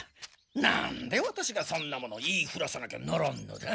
なんでワタシがそんなもの言いふらさなきゃならんのだ。